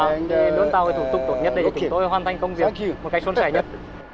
nên luôn tạo thủ tục tốt nhất để chúng tôi hoàn thành công việc một cách suôn sẻ nhất